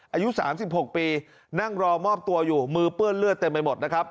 อายุ๓๖ปีนั่งรอมอบตัวอยู่มือเปื้อนเลือดเต็มไปหมดนะครับ